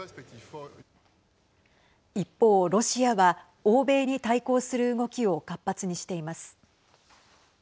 一方、ロシアは欧米に対抗する動きを活発にしています。